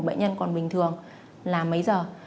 bệnh nhân còn bình thường là mấy giờ